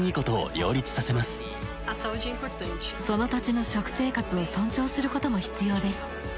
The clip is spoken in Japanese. その土地の食生活を尊重することも必要です。